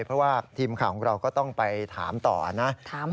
เพราะว่าทีมข่าวของเราก็ต้องไปถามต่อนะ